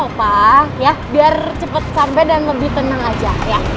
gak apa apa ya biar cepet sampe dan lebih tenang aja ya